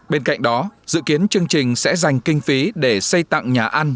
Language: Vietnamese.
bên cạnh đó dự kiến chương trình sẽ dành kinh phí để xây tặng nhà ăn